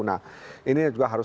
nah ini juga harus